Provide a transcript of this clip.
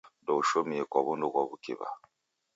Ndoushomie kwa wundu ghwa w'ukiw'a.